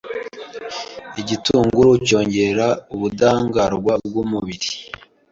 Igitunguru cyongera ubudahangarwa bw’umubiri